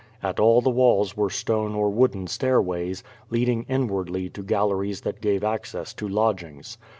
At all the walls were stone or wooden stairways, leading in wardly to galleries that gave aecess to lodgings.